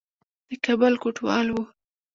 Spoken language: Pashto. د کابل کوټوال وو.